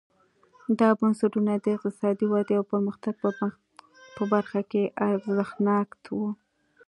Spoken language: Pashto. دا بنسټونه د اقتصادي ودې او پرمختګ په برخه کې ارزښتناک وو.